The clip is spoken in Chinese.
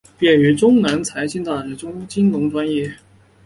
毕业于中南财经大学金融专业。